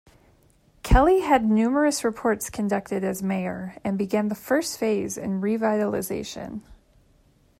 Kelly had numerous reports conducted as mayor, and began the first phase in revitalization.